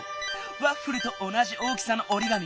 ワッフルとおなじ大きさのおりがみ。